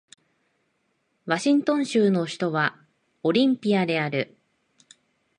ワシントン州の州都はオリンピアである